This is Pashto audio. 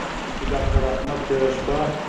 چې داکتر احمد تېره شپه